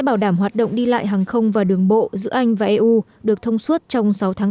bảo đảm hoạt động đi lại hàng không và đường bộ giữa anh và eu được thông suốt trong sáu tháng